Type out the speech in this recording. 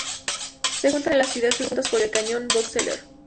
Se juntan en la ciudad, subiendo juntas por el cañón Box Elder.